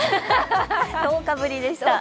１０日ぶりでした。